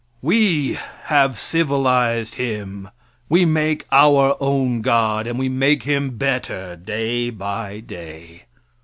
We have civilized him. We make our own God, and we make Him better day by day.